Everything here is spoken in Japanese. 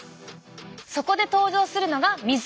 そこで登場するのが水。